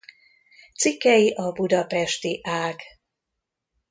Cikkei a budapesti ág.